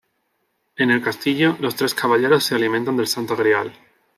En el castillo, los tres caballeros se alimentan del Santo Grial.